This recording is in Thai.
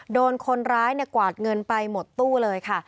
โดนคนร้ายกวาดเงินไปหมดตู้เลยค่ะ